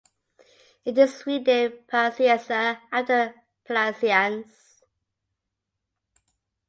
It is renamed Piacenza after Plaisance.